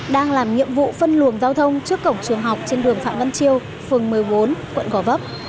đang làm nhiệm vụ phân luồng giao thông trước cổng trường học trên đường phạm văn chiêu phường một mươi bốn quận gò vấp